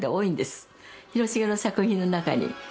広重の作品の中に。